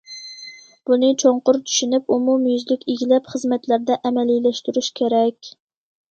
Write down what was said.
بۇنى چوڭقۇر چۈشىنىپ، ئومۇميۈزلۈك ئىگىلەپ، خىزمەتلەردە ئەمەلىيلەشتۈرۈش كېرەك.